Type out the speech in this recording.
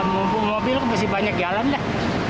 mumpung mobil masih banyak jalan dah